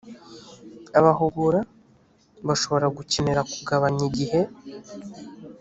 abahugura bashobora gukenera kugabanya igihe